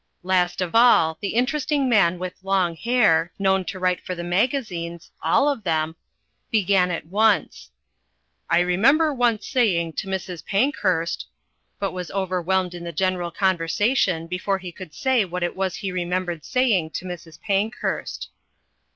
Last of all the Interesting Man with Long Hair, known to write for the magazines all of them began at once: "I remember once saying to Mrs. Pankhurst " but was overwhelmed in the general conversation before he could say what it was he remembered saying to Mrs. Pankhurst.